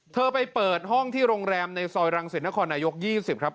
ไปเปิดห้องที่โรงแรมในซอยรังสิตนครนายก๒๐ครับ